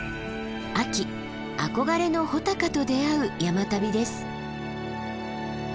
秋憧れの穂高と出会う山旅です。